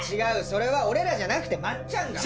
それは俺らじゃなくてまっちゃんが。